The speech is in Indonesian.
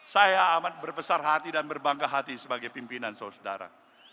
saya amat berbesar hati dan berbangga hati sebagai pimpinan saudara